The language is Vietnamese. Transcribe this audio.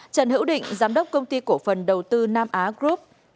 trần hữu định giám đốc công ty cổ phần đầu tư nam á group